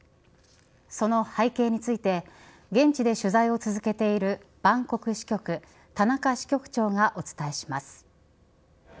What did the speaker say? その背景について現地で取材を続けているバンコク支局田中支局長がお伝えします。